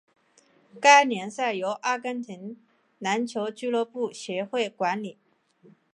该联赛由阿根廷篮球俱乐部协会管理。